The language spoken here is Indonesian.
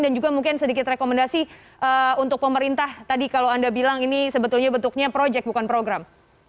dan juga mungkin sedikit rekomendasi untuk pemerintah tadi kalau anda bilang ini sebetulnya bentuknya projek bukan program